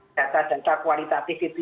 data data kualitatif itu